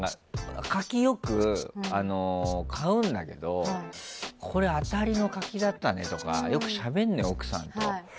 柿、よく買うんだけどこれ、当たりの柿だったねとかよくしゃべるんだよ、奥さんと。